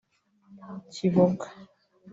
Kiboga